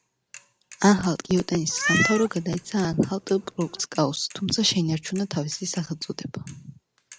ანჰალტ-კიოტენის სამთავრო გადაეცა ანჰალტ-პლოცკაუს, თუმცა შეინარჩუნა თავისი სახელწოდება.